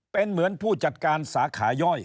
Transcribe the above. เป็นเหมือนผู้จัดการสาขาย่อย